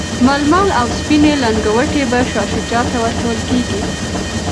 ململ او سپیني لنګوټې به شاه شجاع ته ورکول کیږي.